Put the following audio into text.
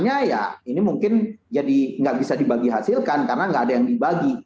ya ini mungkin jadi nggak bisa dibagi hasilkan karena nggak ada yang dibagi